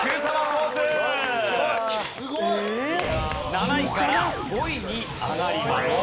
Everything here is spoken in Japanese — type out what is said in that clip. ７位から５位に上がります。